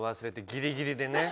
ギリギリで。